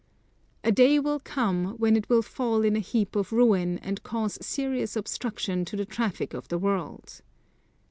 A day will come, when it will fall in a heap of ruin and cause serious obstruction to the traffic of the world.